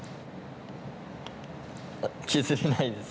あっ削れないです。